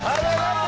おはようございます。